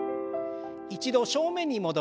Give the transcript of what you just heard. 一度正面に戻して。